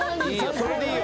それでいいよ。